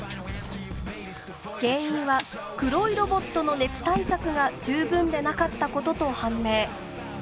原因は黒いロボットの熱対策が十分でなかったことと判明。